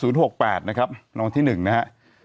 ๘๑๙๐๖๘นะครับนังวดที่๑นะครับ